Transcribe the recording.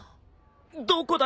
どこだ？